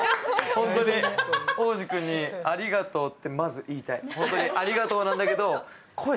ホントに央士君にありがとうってまず言いたい。